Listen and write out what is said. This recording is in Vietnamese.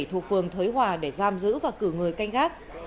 thuộc phường thới hòa để giam giữ và cử người canh gác